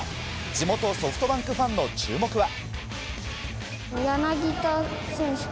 地元ソフトバンクファンの注目は？